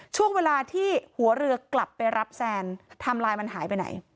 ช่วงเวลาที่หัวเรือกลับไปรับแซนไทม์ไลน์มันหายไปไหน